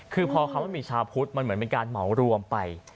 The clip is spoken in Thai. คือพอคำว่ามีชาวพุทธมันเหมือนเป็นการเหมารวมไป